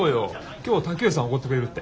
今日瀧上さんがおごってくれるって。